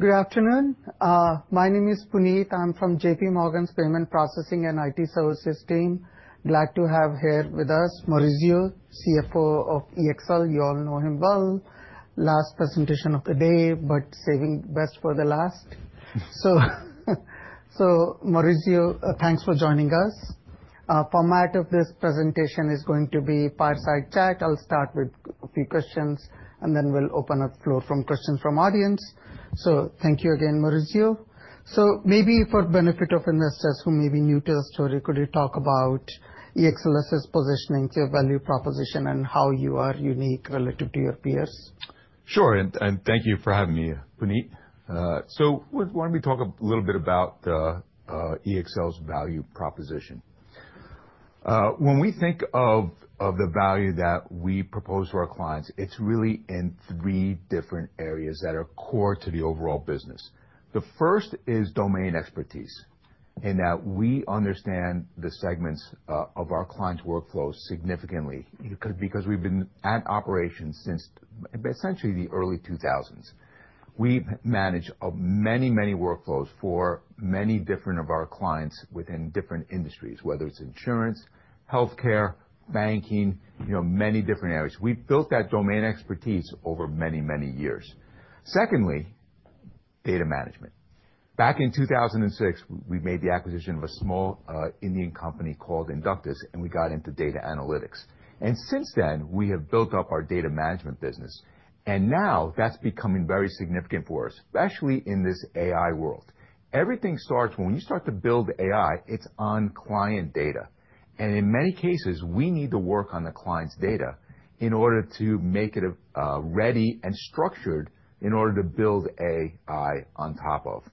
Good afternoon. My name is Puneet. I'm from J.P. Morgan's Payment Processing and IT Services team. Glad to have here with us Maurizio, CFO of EXL. You all know him well. Last presentation of the day, but saving best for the last. Maurizio, thanks for joining us. Format of this presentation is going to be fireside chat. I'll start with a few questions, and then we'll open up the floor for questions from the audience. Thank you again, Maurizio. Maybe for the benefit of investors who may be new to the story, could you talk about EXL's positioning to value proposition and how you are unique relative to your peers? Sure. Thank you for having me, Puneet. Why don't we talk a little bit about EXL's value proposition? When we think of the value that we propose to our clients, it's really in three different areas that are core to the overall business. The first is domain expertise in that we understand the segments of our clients' workflows significantly because we've been at operations since essentially the early 2000s. We manage many, many workflows for many different of our clients within different industries, whether it's insurance, healthcare, banking, many different areas. We've built that domain expertise over many, many years. Secondly, data management. Back in 2006, we made the acquisition of a small Indian company called Inductus, and we got into data analytics. Since then, we have built up our data management business. Now that's becoming very significant for us, especially in this AI world. Everything starts when you start to build AI, it's on client data. In many cases, we need to work on the client's data in order to make it ready and structured in order to build AI on top of.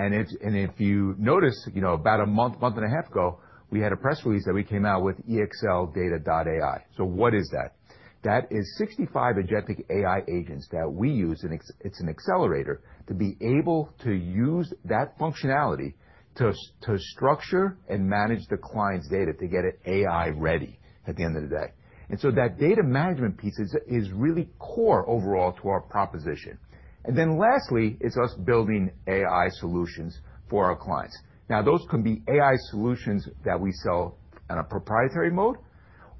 If you notice, about a month, month and a half ago, we had a press release that we came out with EXLdata.ai. What is that? That is 65 agentic AI agents that we use. It's an accelerator to be able to use that functionality to structure and manage the client's data to get it AI ready at the end of the day. That data management piece is really core overall to our proposition. Lastly, it's us building AI solutions for our clients. Now, those can be AI solutions that we sell in a proprietary mode,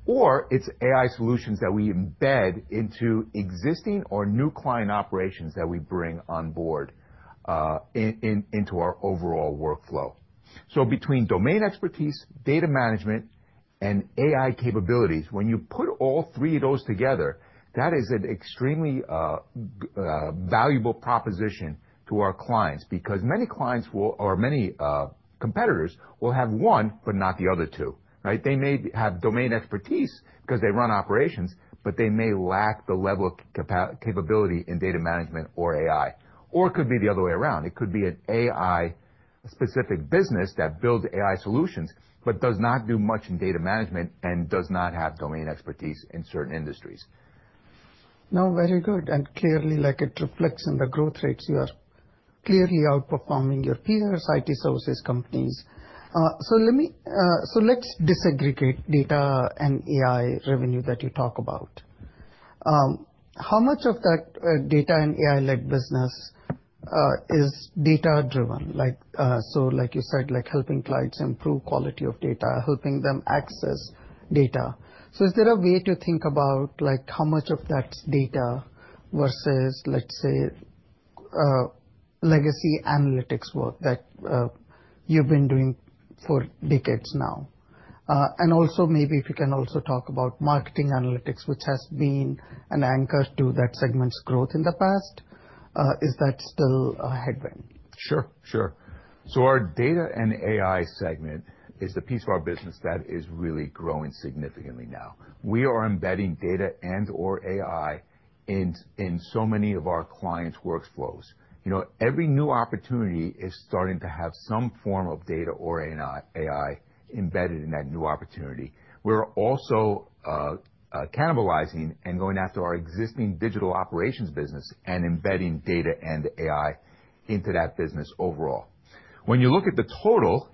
or it's AI solutions that we embed into existing or new client operations that we bring on board into our overall workflow. Between domain expertise, data management, and AI capabilities, when you put all three of those together, that is an extremely valuable proposition to our clients because many clients or many competitors will have one, but not the other two. They may have domain expertise because they run operations, but they may lack the level of capability in data management or AI. It could be the other way around. It could be an AI-specific business that builds AI solutions, but does not do much in data management and does not have domain expertise in certain industries. No, very good. It clearly reflects in the growth rates. You are clearly outperforming your peers, IT services companies. Let's disaggregate data and AI revenue that you talk about. How much of that data and AI-led business is data-driven? Like you said, helping clients improve quality of data, helping them access data. Is there a way to think about how much of that's data versus, let's say, legacy analytics work that you've been doing for decades now? Also, maybe if you can talk about marketing analytics, which has been an anchor to that segment's growth in the past, is that still a headwind? Sure, sure. Our data and AI segment is the piece of our business that is really growing significantly now. We are embedding data and/or AI in so many of our clients' workflows. Every new opportunity is starting to have some form of data or AI embedded in that new opportunity. We're also cannibalizing and going after our existing digital operations business and embedding data and AI into that business overall. When you look at the total,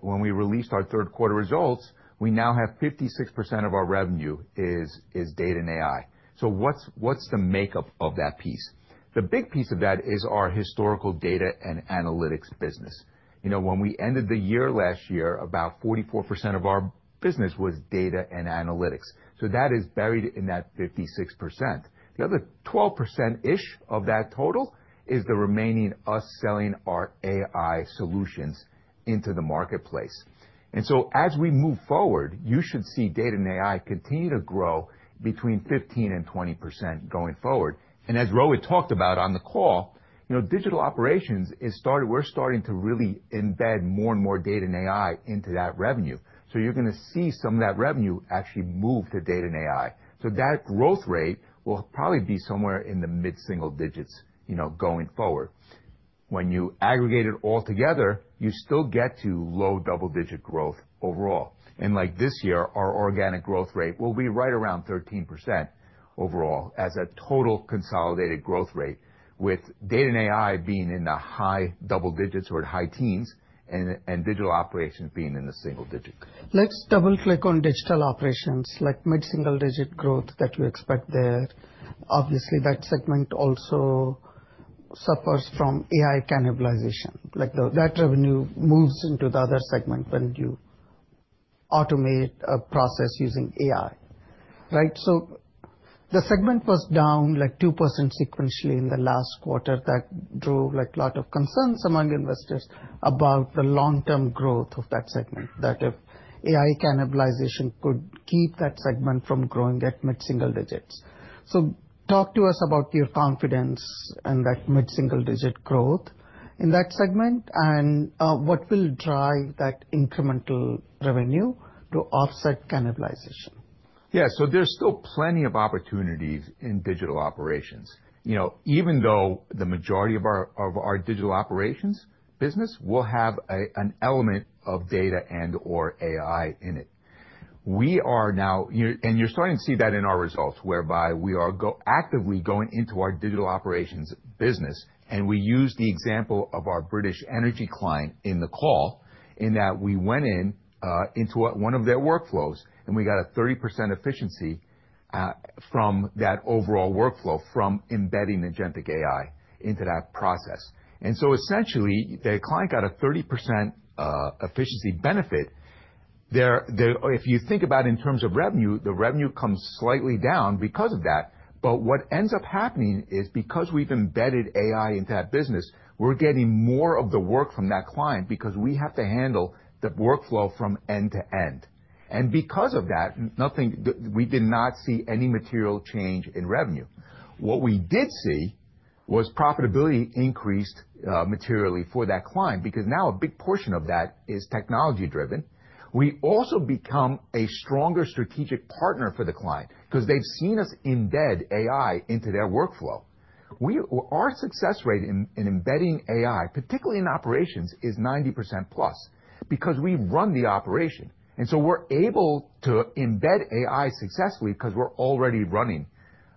when we released our third quarter results, we now have 56% of our revenue is data and AI. What's the makeup of that piece? The big piece of that is our historical data and analytics business. When we ended the year last year, about 44% of our business was data and analytics. That is buried in that 56%. The other 12%-ish of that total is the remaining us selling our AI solutions into the marketplace. As we move forward, you should see data and AI continue to grow between 15%-20% going forward. As Rohit talked about on the call, digital operations is starting—we're starting to really embed more and more data and AI into that revenue. You're going to see some of that revenue actually move to data and AI. That growth rate will probably be somewhere in the mid-single digits going forward. When you aggregate it all together, you still get to low double-digit growth overall. Like this year, our organic growth rate will be right around 13% overall as a total consolidated growth rate, with data and AI being in the high double digits or high teens and digital operations being in the single digits. Let's double-click on digital operations, like mid-single digit growth that you expect there. Obviously, that segment also suffers from AI cannibalization. That revenue moves into the other segment when you automate a process using AI. The segment was down 2% sequentially in the last quarter. That drove a lot of concerns among investors about the long-term growth of that segment, that if AI cannibalization could keep that segment from growing at mid-single digits. Talk to us about your confidence in that mid-single digit growth in that segment and what will drive that incremental revenue to offset cannibalization. Yeah, so there's still plenty of opportunities in digital operations. Even though the majority of our digital operations business will have an element of data and/or AI in it. You are starting to see that in our results, whereby we are actively going into our digital operations business. We used the example of our British energy client in the call in that we went into one of their workflows and we got a 30% efficiency from that overall workflow from embedding agentic AI into that process. Essentially, the client got a 30% efficiency benefit. If you think about it in terms of revenue, the revenue comes slightly down because of that. What ends up happening is because we've embedded AI into that business, we're getting more of the work from that client because we have to handle the workflow from end to end. Because of that, we did not see any material change in revenue. What we did see was profitability increased materially for that client because now a big portion of that is technology-driven. We also become a stronger strategic partner for the client because they've seen us embed AI into their workflow. Our success rate in embedding AI, particularly in operations, is 90% plus because we run the operation. We are able to embed AI successfully because we are already running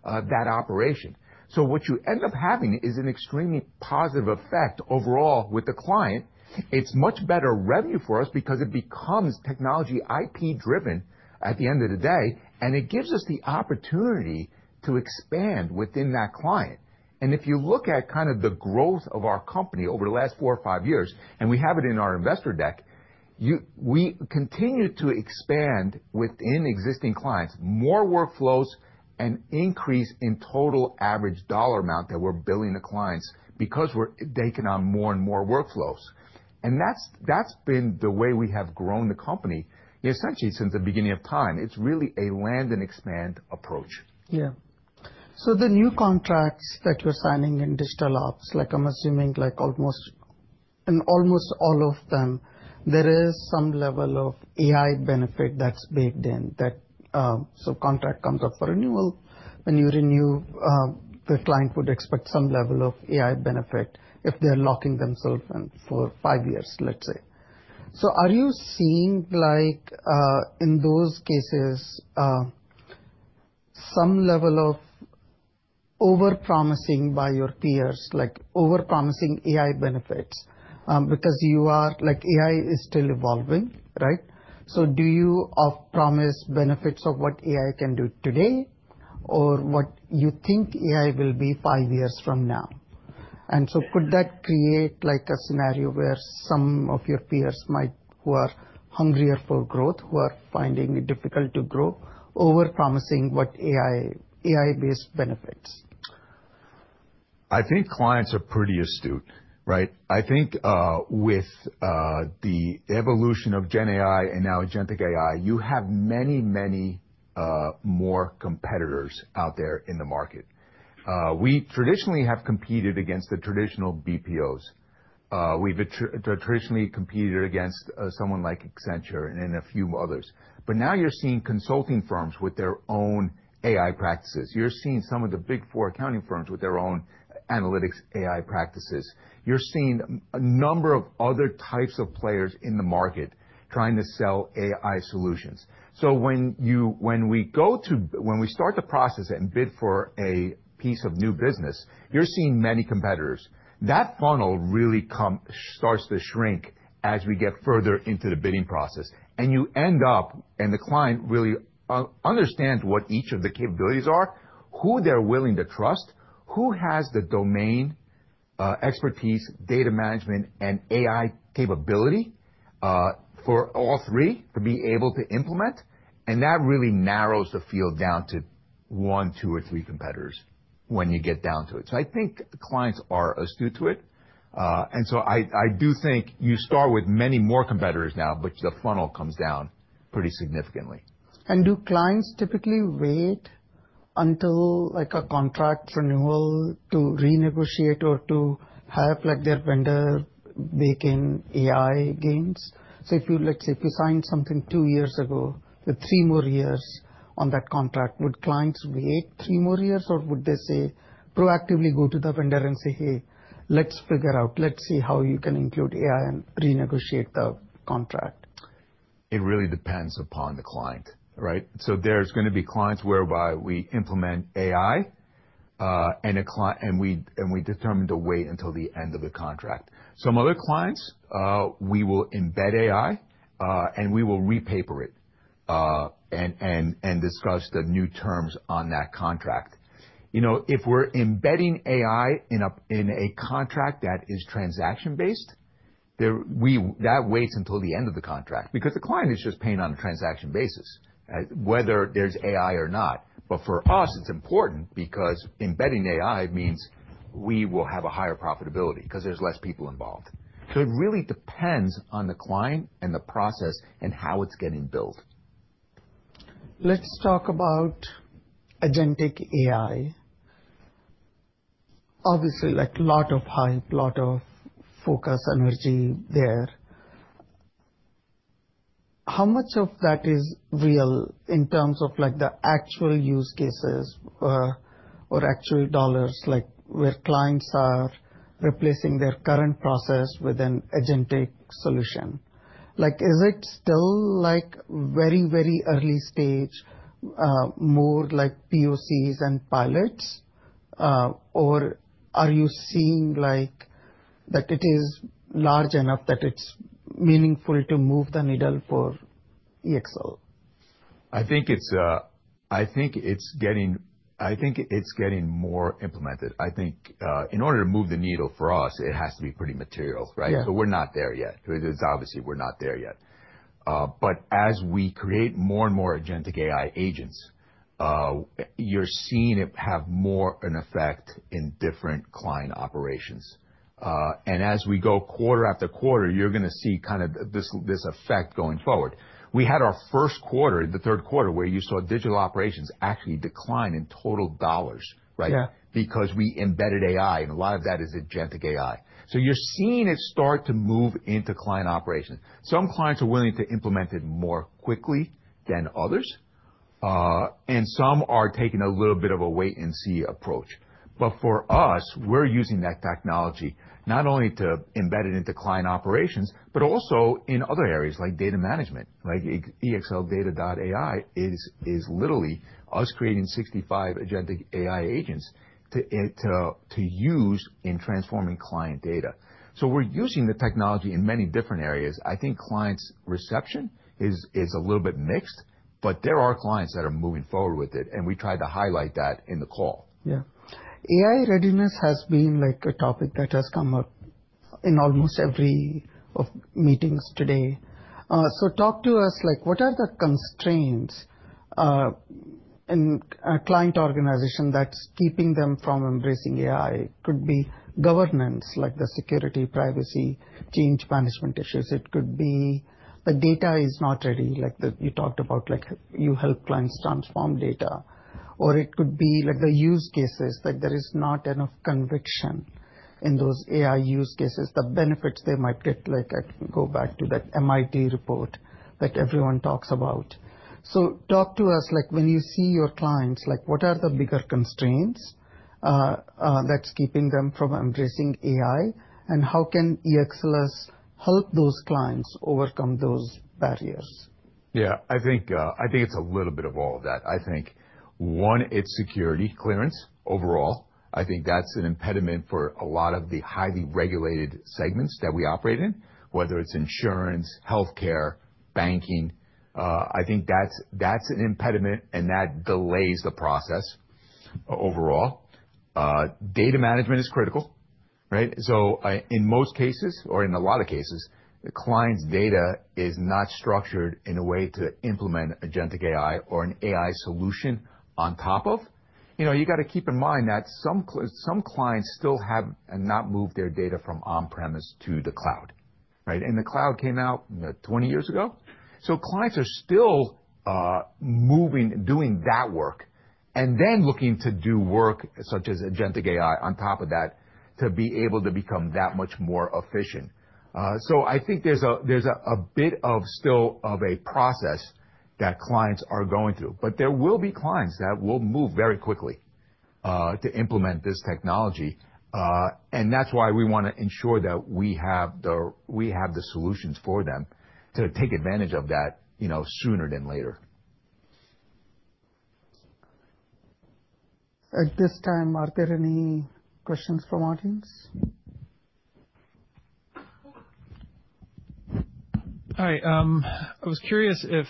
that operation. What you end up having is an extremely positive effect overall with the client. It is much better revenue for us because it becomes technology IP-driven at the end of the day, and it gives us the opportunity to expand within that client. If you look at kind of the growth of our company over the last four or five years, and we have it in our investor deck, we continue to expand within existing clients, more workflows, and increase in total average dollar amount that we're billing the clients because we're taking on more and more workflows. That's been the way we have grown the company essentially since the beginning of time. It's really a land and expand approach. Yeah. The new contracts that you're signing in digital ops, like I'm assuming almost in almost all of them, there is some level of AI benefit that's baked in that. Contract comes up for renewal. When you renew, the client would expect some level of AI benefit if they're locking themselves in for five years, let's say. Are you seeing in those cases some level of over-promising by your peers, like over-promising AI benefits? Because AI is still evolving, right? Do you promise benefits of what AI can do today or what you think AI will be five years from now? Could that create a scenario where some of your peers who are hungrier for growth, who are finding it difficult to grow, over-promising what AI-based benefits? I think clients are pretty astute. I think with the evolution of GenAI and now agentic AI, you have many, many more competitors out there in the market. We traditionally have competed against the traditional BPOs. We've traditionally competed against someone like Accenture and a few others. Now you're seeing consulting firms with their own AI practices. You're seeing some of the Big Four accounting firms with their own analytics AI practices. You're seeing a number of other types of players in the market trying to sell AI solutions. When we start to process and bid for a piece of new business, you're seeing many competitors. That funnel really starts to shrink as we get further into the bidding process. You end up, and the client really understands what each of the capabilities are, who they're willing to trust, who has the domain expertise, data management, and AI capability for all three to be able to implement. That really narrows the field down to one, two, or three competitors when you get down to it. I think the clients are astute to it. I do think you start with many more competitors now, but the funnel comes down pretty significantly. Do clients typically wait until a contract renewal to renegotiate or to have their vendor bake in AI gains? If you signed something two years ago, with three more years on that contract, would clients wait three more years, or would they proactively go to the vendor and say, "Hey, let's figure out, let's see how you can include AI and renegotiate the contract"? It really depends upon the client. There are going to be clients whereby we implement AI, and we determine to wait until the end of the contract. Some other clients, we will embed AI, and we will repaper it and discuss the new terms on that contract. If we're embedding AI in a contract that is transaction-based, that waits until the end of the contract because the client is just paying on a transaction basis, whether there's AI or not. For us, it's important because embedding AI means we will have a higher profitability because there's less people involved. It really depends on the client and the process and how it's getting built. Let's talk about agentic AI. Obviously, a lot of hype, a lot of focus energy there. How much of that is real in terms of the actual use cases or actual dollars, like where clients are replacing their current process with an agentic solution? Is it still very, very early stage, more like POCs and pilots, or are you seeing that it is large enough that it's meaningful to move the needle for EXL? I think it's getting more implemented. I think in order to move the needle for us, it has to be pretty material, right? We're not there yet. Obviously, we're not there yet. As we create more and more agentic AI agents, you're seeing it have more an effect in different client operations. As we go quarter after quarter, you're going to see kind of this effect going forward. We had our first quarter, the third quarter, where you saw digital operations actually decline in total dollars because we embedded AI, and a lot of that is agentic AI. You're seeing it start to move into client operations. Some clients are willing to implement it more quickly than others, and some are taking a little bit of a wait-and-see approach. For us, we're using that technology not only to embed it into client operations, but also in other areas like data management. EXLdata.ai is literally us creating 65 agentic AI agents to use in transforming client data. We're using the technology in many different areas. I think clients' reception is a little bit mixed, but there are clients that are moving forward with it, and we tried to highlight that in the call. Yeah. AI readiness has been a topic that has come up in almost every meeting today. Talk to us, what are the constraints in a client organization that's keeping them from embracing AI? It could be governance, like the security, privacy, change management issues. It could be the data is not ready, like you talked about, you help clients transform data. Or it could be the use cases, like there is not enough conviction in those AI use cases, the benefits they might get. I can go back to that MIT report that everyone talks about. Talk to us, when you see your clients, what are the bigger constraints that's keeping them from embracing AI, and how can EXLers help those clients overcome those barriers? Yeah, I think it's a little bit of all of that. I think, one, it's security clearance overall. I think that's an impediment for a lot of the highly regulated segments that we operate in, whether it's insurance, healthcare, banking. I think that's an impediment, and that delays the process overall. Data management is critical. In most cases, or in a lot of cases, the client's data is not structured in a way to implement agentic AI or an AI solution on top of. You got to keep in mind that some clients still have not moved their data from on-premise to the cloud. The cloud came out 20 years ago. Clients are still moving, doing that work, and then looking to do work such as agentic AI on top of that to be able to become that much more efficient. I think there's a bit still of a process that clients are going through. There will be clients that will move very quickly to implement this technology. That's why we want to ensure that we have the solutions for them to take advantage of that sooner than later. At this time, are there any questions for Martins? Hi. I was curious if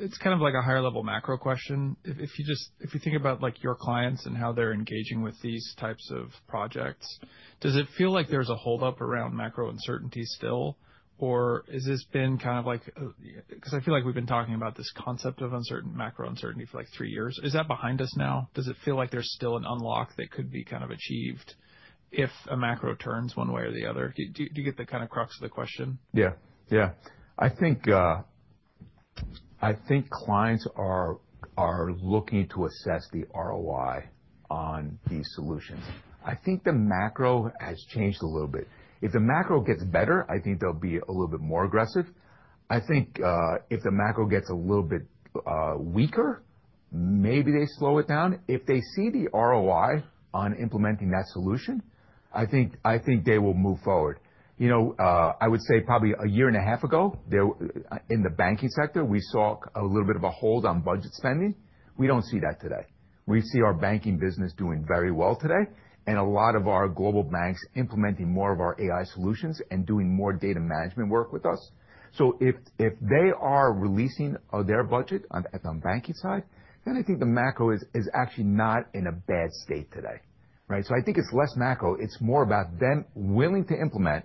it's kind of like a higher-level macro question. If you think about your clients and how they're engaging with these types of projects, does it feel like there's a holdup around macro uncertainty still, or has this been kind of like because I feel like we've been talking about this concept of macro uncertainty for like three years. Is that behind us now? Does it feel like there's still an unlock that could be kind of achieved if a macro turns one way or the other? Do you get the kind of crux of the question? Yeah. Yeah. I think clients are looking to assess the ROI on these solutions. I think the macro has changed a little bit. If the macro gets better, I think they'll be a little bit more aggressive. I think if the macro gets a little bit weaker, maybe they slow it down. If they see the ROI on implementing that solution, I think they will move forward. I would say probably a year and a half ago, in the banking sector, we saw a little bit of a hold on budget spending. We do not see that today. We see our banking business doing very well today, and a lot of our global banks implementing more of our AI solutions and doing more data management work with us. If they are releasing their budget on the banking side, then I think the macro is actually not in a bad state today. I think it's less macro. It's more about them willing to implement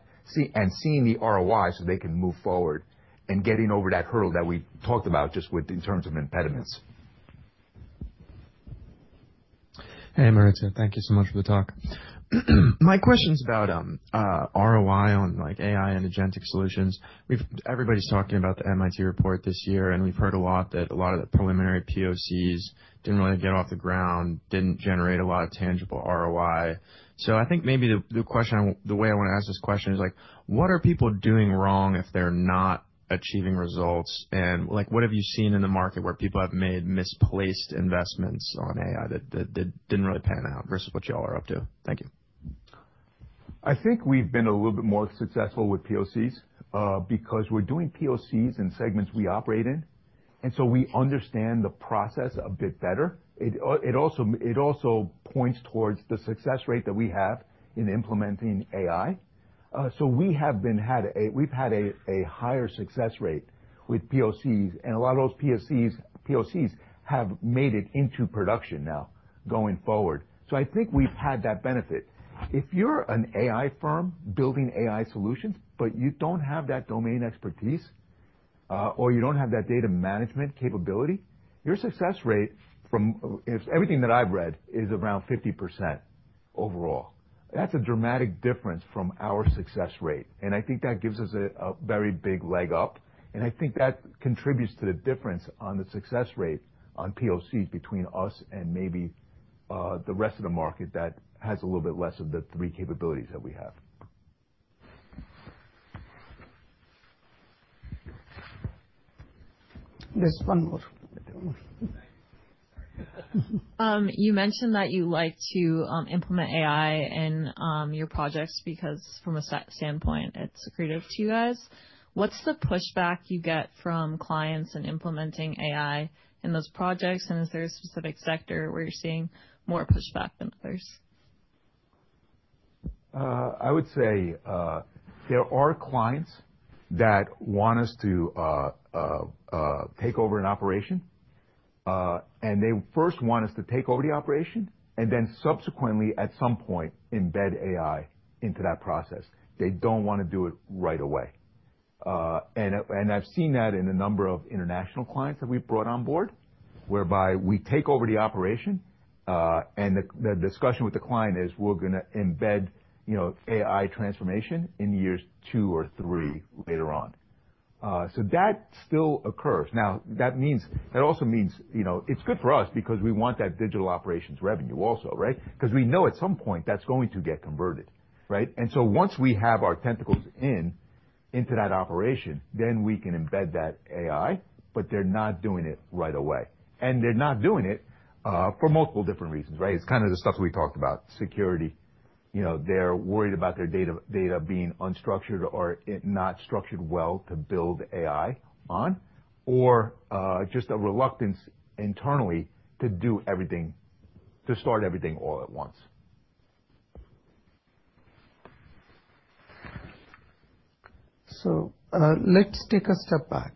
and seeing the ROI so they can move forward and getting over that hurdle that we talked about just in terms of impediments. Hey, Maurizio. Thank you so much for the talk. My question is about ROI on AI and agentic solutions. Everybody's talking about the MIT report this year, and we've heard a lot that a lot of the preliminary POCs didn't really get off the ground, didn't generate a lot of tangible ROI. I think maybe the way I want to ask this question is, what are people doing wrong if they're not achieving results? What have you seen in the market where people have made misplaced investments on AI that didn't really pan out versus what y'all are up to? Thank you. I think we've been a little bit more successful with POCs because we're doing POCs in segments we operate in. And we understand the process a bit better. It also points towards the success rate that we have in implementing AI. We have had a higher success rate with POCs, and a lot of those POCs have made it into production now going forward. I think we've had that benefit. If you're an AI firm building AI solutions, but you don't have that domain expertise or you don't have that data management capability, your success rate, from everything that I've read, is around 50% overall. That's a dramatic difference from our success rate. I think that gives us a very big leg up. I think that contributes to the difference on the success rate on POCs between us and maybe the rest of the market that has a little bit less of the three capabilities that we have. There's one more. You mentioned that you like to implement AI in your projects because from a standpoint, it's creative to you guys. What is the pushback you get from clients in implementing AI in those projects? Is there a specific sector where you're seeing more pushback than others? I would say there are clients that want us to take over an operation. They first want us to take over the operation and then subsequently, at some point, embed AI into that process. They do not want to do it right away. I have seen that in a number of international clients that we have brought on board, whereby we take over the operation. The discussion with the client is we are going to embed AI transformation in years two or three later on. That still occurs. That also means it is good for us because we want that digital operations revenue also, right? We know at some point that is going to get converted. Once we have our tentacles into that operation, then we can embed that AI, but they are not doing it right away. They are not doing it for multiple different reasons. It's kind of the stuff we talked about, security. They're worried about their data being unstructured or not structured well to build AI on, or just a reluctance internally to do everything, to start everything all at once. Let's take a step back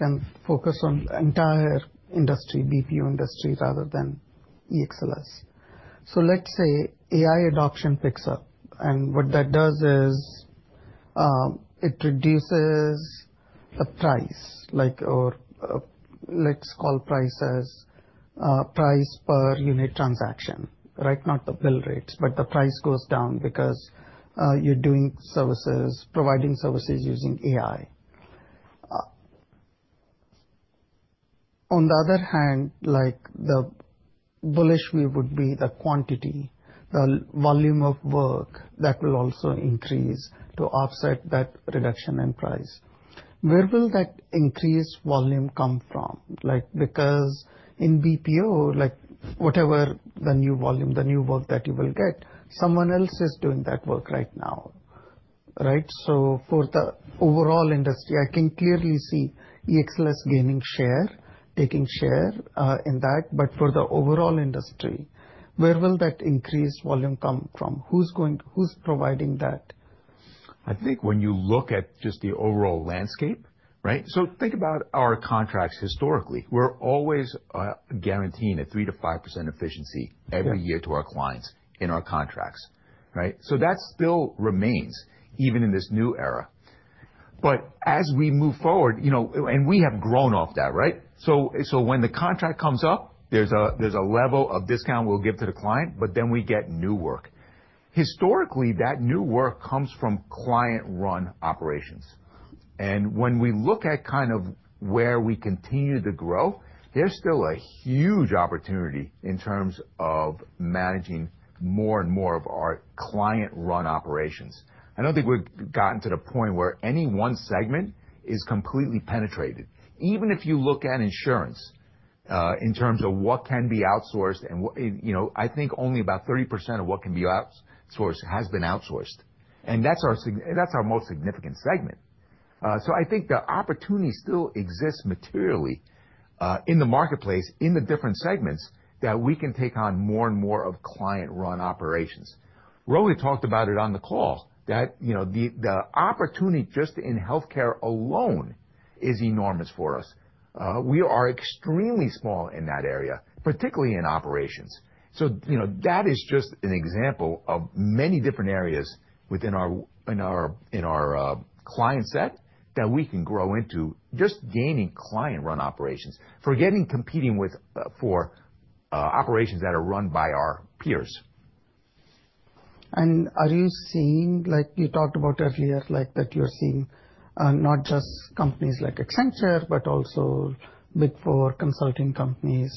and focus on the entire industry, BPO industry rather than EXLers. Let's say AI adoption picks up. What that does is it reduces the price, or let's call prices price per unit transaction, not the bill rates, but the price goes down because you're doing services, providing services using AI. On the other hand, the bullish view would be the quantity, the volume of work that will also increase to offset that reduction in price. Where will that increased volume come from? Because in BPO, whatever the new volume, the new work that you will get, someone else is doing that work right now. For the overall industry, I can clearly see EXLers gaining share, taking share in that. For the overall industry, where will that increased volume come from? Who's providing that? I think when you look at just the overall landscape, so think about our contracts historically. We're always guaranteeing a 3%-5% efficiency every year to our clients in our contracts. That still remains even in this new era. As we move forward, and we have grown off that, right? When the contract comes up, there's a level of discount we'll give to the client, but then we get new work. Historically, that new work comes from client-run operations. When we look at kind of where we continue to grow, there's still a huge opportunity in terms of managing more and more of our client-run operations. I don't think we've gotten to the point where any one segment is completely penetrated. Even if you look at insurance in terms of what can be outsourced, I think only about 30% of what can be outsourced has been outsourced. That is our most significant segment. I think the opportunity still exists materially in the marketplace, in the different segments that we can take on more and more of client-run operations. Rohit talked about it on the call, that the opportunity just in healthcare alone is enormous for us. We are extremely small in that area, particularly in operations. That is just an example of many different areas within our client set that we can grow into, just gaining client-run operations or competing for operations that are run by our peers. Are you seeing, like you talked about earlier, that you're seeing not just companies like Accenture, but also Big Four consulting companies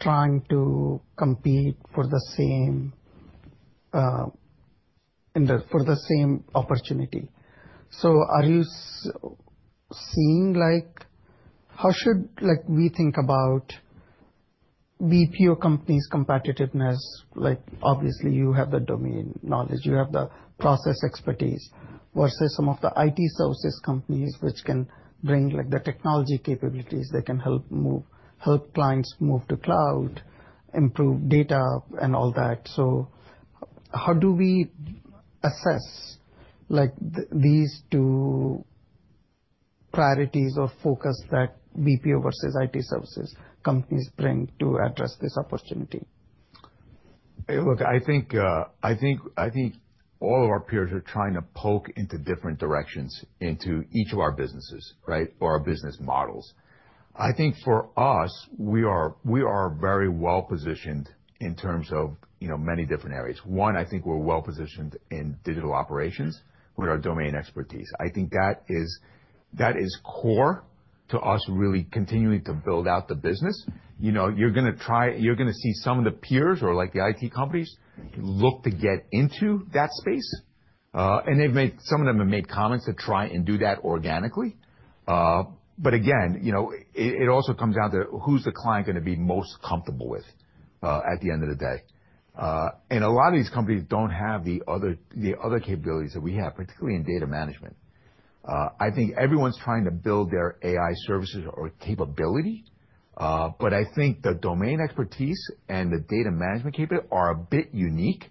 trying to compete for the same opportunity? Are you seeing how should we think about BPO companies' competitiveness? Obviously, you have the domain knowledge. You have the process expertise versus some of the IT services companies, which can bring the technology capabilities. They can help clients move to cloud, improve data, and all that. How do we assess these two priorities or focus that BPO versus IT services companies bring to address this opportunity? Look, I think all of our peers are trying to poke into different directions into each of our businesses or our business models. I think for us, we are very well positioned in terms of many different areas. One, I think we're well positioned in digital operations with our domain expertise. I think that is core to us really continuing to build out the business. You're going to see some of the peers or the IT companies look to get into that space. Some of them have made comments to try and do that organically. Again, it also comes down to who's the client going to be most comfortable with at the end of the day. A lot of these companies do not have the other capabilities that we have, particularly in data management. I think everyone's trying to build their AI services or capability. I think the domain expertise and the data management capability are a bit unique.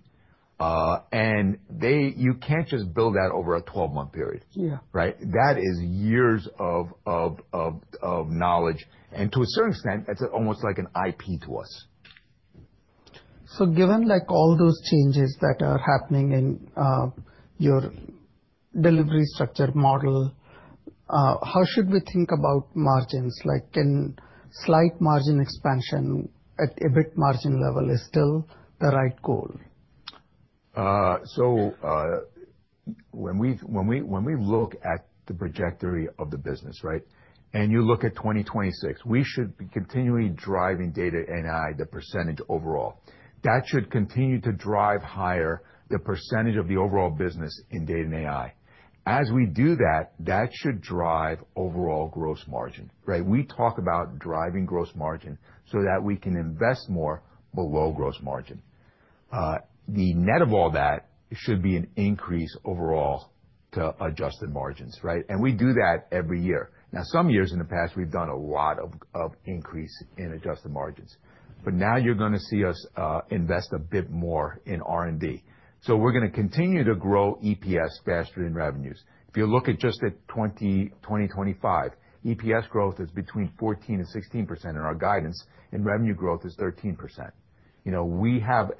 You can't just build that over a 12-month period. That is years of knowledge. To a certain extent, that's almost like an IP to us. Given all those changes that are happening in your delivery structure model, how should we think about margins? Can slight margin expansion at a bit margin level is still the right goal? When we look at the trajectory of the business, and you look at 2026, we should be continually driving data and AI, the percentage overall. That should continue to drive higher the percentage of the overall business in data and AI. As we do that, that should drive overall gross margin. We talk about driving gross margin so that we can invest more below gross margin. The net of all that should be an increase overall to adjusted margins. We do that every year. Now, some years in the past, we've done a lot of increase in adjusted margins. Now you're going to see us invest a bit more in R&D. We're going to continue to grow EPS, stash, and revenues. If you look at just 2025, EPS growth is between 14%-16% in our guidance, and revenue growth is 13%. We have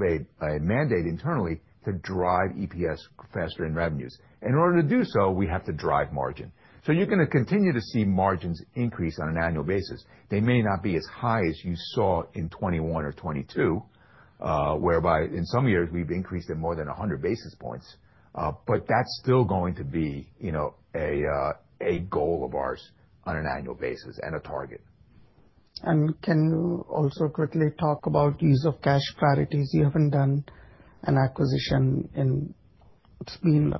a mandate internally to drive EPS, stash, and revenues. In order to do so, we have to drive margin. You are going to continue to see margins increase on an annual basis. They may not be as high as you saw in 2021 or 2022, whereby in some years, we have increased it more than 100 basis points. That is still going to be a goal of ours on an annual basis and a target. Can you also quickly talk about use of cash priorities? You haven't done an acquisition in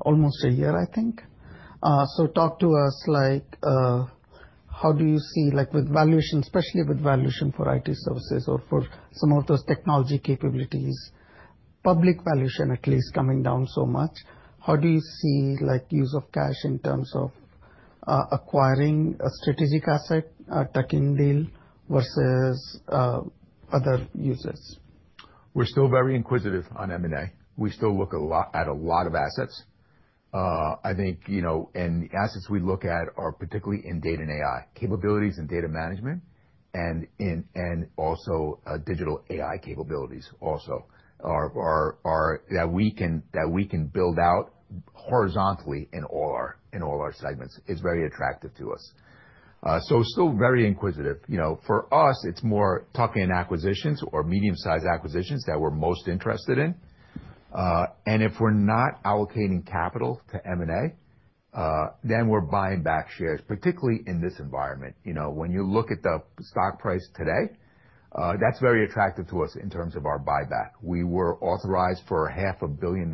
almost a year, I think. Talk to us, how do you see with valuation, especially with valuation for IT services or for some of those technology capabilities, public valuation at least coming down so much, how do you see use of cash in terms of acquiring a strategic asset, a tech deal versus other uses? We're still very inquisitive on M&A. We still look at a lot of assets. I think the assets we look at are particularly in data and AI capabilities and data management and also digital AI capabilities also that we can build out horizontally in all our segments. It's very attractive to us. Still very inquisitive. For us, it's more talking in acquisitions or medium-sized acquisitions that we're most interested in. If we're not allocating capital to M&A, then we're buying back shares, particularly in this environment. When you look at the stock price today, that's very attractive to us in terms of our buyback. We were authorized for $500 million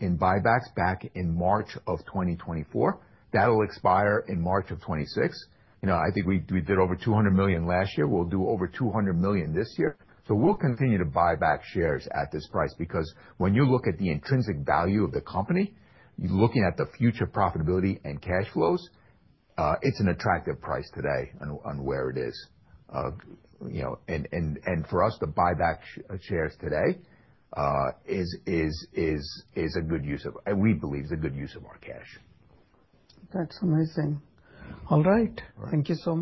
in buybacks back in March of 2024. That will expire in March of 2026. I think we did over $200 million last year. We'll do over $200 million this year. We will continue to buy back shares at this price because when you look at the intrinsic value of the company, looking at the future profitability and cash flows, it is an attractive price today on where it is. For us, the buyback shares today is a good use of, and we believe it is a good use of our cash. That's amazing. All right. Thank you so.